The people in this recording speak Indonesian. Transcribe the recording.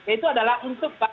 itu adalah untuk